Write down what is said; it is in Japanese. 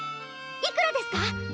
いくらですか？